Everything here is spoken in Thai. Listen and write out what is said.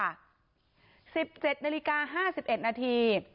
๑๗นาฬิกา๕๑นาที